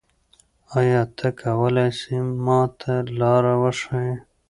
آیا ته کولای سې ما ته لاره وښیې؟